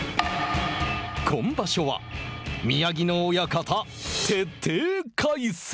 今場所は宮城野親方徹底解説！